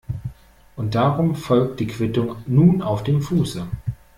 Und darum folgt die Quittung nun auf dem Fuße.